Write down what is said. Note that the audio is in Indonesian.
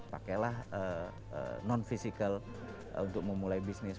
pakailah non physical untuk memulai bisnis